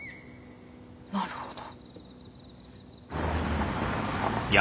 なるほど。